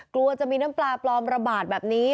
กลัวจะมีน้ำปลาปลอมระบาดแบบนี้